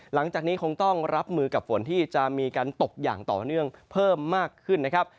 หลังจากนี้คงต้องรับมือกับฝนที่จะมีการตกอย่างต่อเนื่องเพิ่มมากขึ้นนะครับ